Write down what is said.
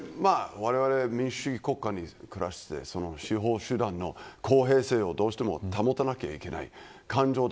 われわれ民主主義国家に暮らしていて、司法集団の公平性をどうしても保たなきゃいけない。